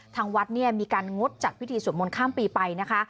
ทางวัดเนี่ยมีการงดจัดพิธีสวดมนต์ข้ามปีไปนะคะ